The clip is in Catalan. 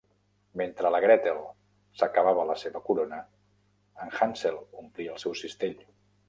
Mentre la Gretel s'acabava la seva corona, en Hansel omplia el seu cistell.